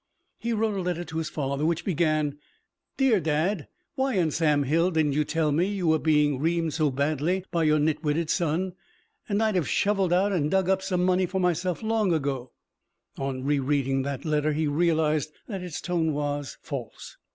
He wrote a letter to his father which began: "Dear Dad Why in Sam Hill didn't you tell me you were being reamed so badly by your nit witted son and I'd have shovelled out and dug up some money for myself long ago?" On rereading that letter he realized that its tone was false.